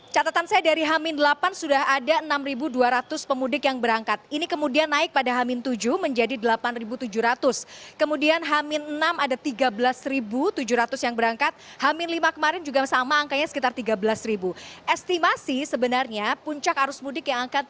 catatan saya dari hamin delapan sudah ada enam data jadi saya sudah mengantongi data fani dan prediksinya